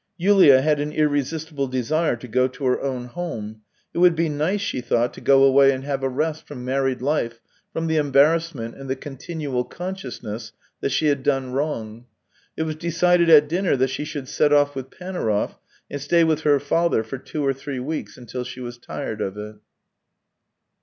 Yulia had an irresistible desire to go to her own home; it would be nice, she thought, to go away THREE YEARS 263 and have a rest from married life, from the em barrassment and the continual consciousness that she had done wrong. It was decided at dinner that she should set off with Panaurov, and stay with her father for two or three weeks until she was tired of it.